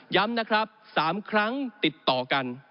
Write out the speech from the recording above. ย้ำนะครับ๓ครั้งติดต่อกัน